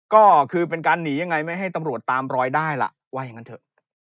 ก็คือเป็นการหนียังไงไม่ให้ตำรวจตามรอยได้ล่ะว่าอย่างนั้นเถอะ